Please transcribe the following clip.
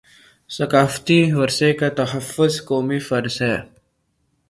ثقافتی ورثے کا تحفظ قومی فرض ہے